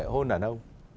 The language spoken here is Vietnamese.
hôn đàn ông